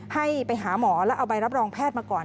ให้ไปหาหมอแล้วเอาใบรับรองแพทย์มาก่อน